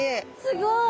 すごい！